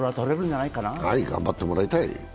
はい、頑張ってもらいたい。